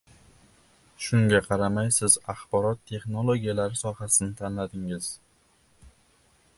Shunga qaramay siz axborot texnologiyalari sohasini tanladingiz.